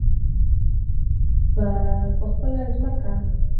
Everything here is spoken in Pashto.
په خپله ځمکه.